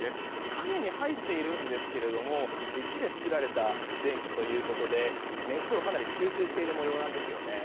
陰に入っているんですが石で作られたベンチということで熱をかなり吸収している模様なんですよね。